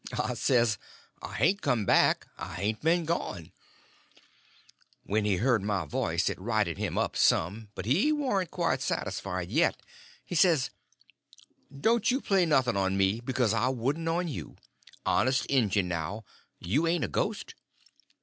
I says: "I hain't come back—I hain't been gone." When he heard my voice it righted him up some, but he warn't quite satisfied yet. He says: "Don't you play nothing on me, because I wouldn't on you. Honest injun now, you ain't a ghost?"